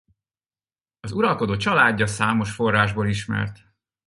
Az uralkodó családja számos forrásból ismert.